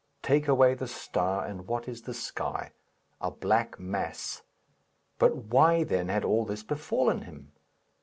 Take away the star, and what is the sky? A black mass. But why, then, had all this befallen him?